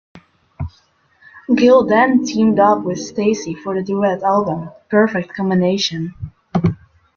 Gill then teamed up with Stacy for the duet album "Perfect Combination".